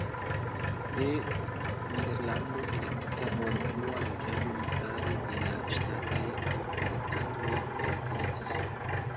De Nederlando elektita por plua loĝado li fare de la ŝtataj aŭtoritatoj elpelitis.